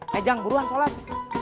hejang buruan sholat